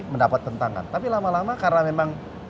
mendapatkan tangan tapi lama lama karena memang